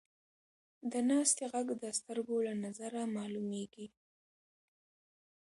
د ناستې ږغ د سترګو له نظره معلومېږي.